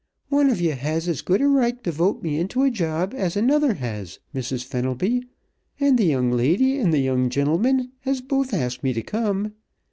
Wan of ye has as good a right t' vote me into a job as another has, Mrs. Fenelby, an' th' young lady an' th' young gintleman both asked me t' come.